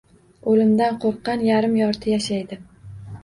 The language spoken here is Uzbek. Oʻlimdan qoʻrqqan yarim-yorti yashaydi